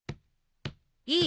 いい？